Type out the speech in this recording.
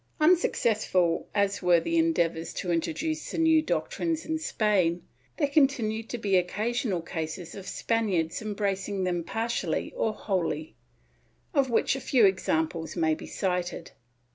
Unsuccessful as were the endeavors to introduce the new doc trines in Spain, there continued to be occasional cases of Spaniards embracing them partially or wholly, of which a few examples may be cited.